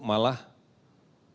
dan ini adalah keputusan yang terbaik